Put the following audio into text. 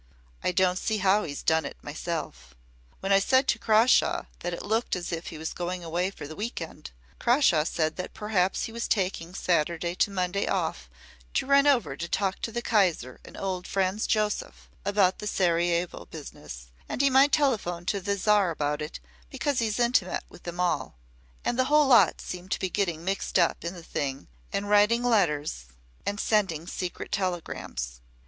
I don't see how he's done it, myself. When I said to Crawshaw that it looked as if he was going away for the week end, Crawshaw said that perhaps he was taking Saturday to Monday off to run over to talk to the Kaiser and old Franz Josef about the Sarajevo business, and he might telephone to the Czar about it because he's intimate with them all, and the whole lot seem to be getting mixed up in the thing and writing letters and sending secret telegrams.